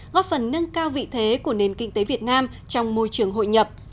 góp phần nâng cao vị thế của nền kinh tế việt nam trong môi trường hội nhập